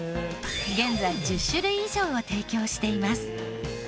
現在１０種類以上を提供しています。